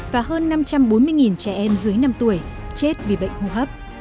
và hơn năm trăm bốn mươi trẻ em dưới năm tuổi chết vì bệnh hô hấp